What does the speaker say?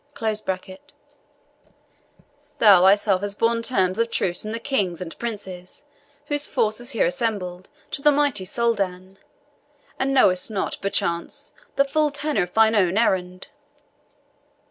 ] parting asunder in the waves. Thou thyself hast borne terms of truce from the kings and princes, whose force is here assembled, to the mighty Soldan, and knewest not, perchance, the full tenor of thine own errand."